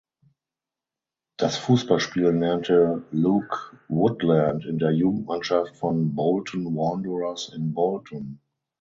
Das Fußballspielen lernte Luke Woodland in der Jugendmannschaft von Bolton Wanderers in Bolton.